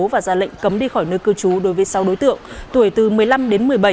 và ra lệnh cấm đi khỏi nơi cư trú đối với sáu đối tượng tuổi từ một mươi năm đến một mươi bảy